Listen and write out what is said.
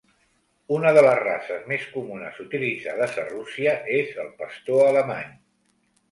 Una de les races més comunes utilitzades a Rússia, és el pastor alemany.